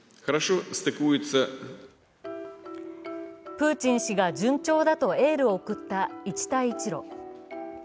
プーチン氏が順調だとエールを送った一帯一路。